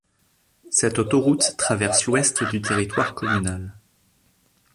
Cette autoroute traverse l'ouest du territoire communal.